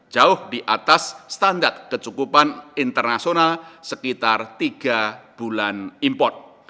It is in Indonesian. jauh di atas standar kecukupan internasional sekitar tiga bulan import